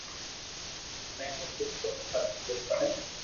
مني اي تي ڪوئي فراڪ ڪوئي پڙي